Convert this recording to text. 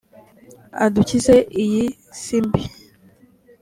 gl adukize iyi si mbi